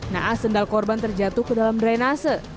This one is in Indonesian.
naas sendal korban terjatuh ke dalam drainase